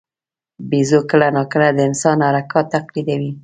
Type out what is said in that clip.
بیزو کله ناکله د انسان حرکات تقلیدوي.